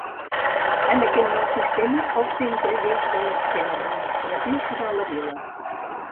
En aquest nou sistema, el centre i eix de l'esquema administratiu serà la Vila.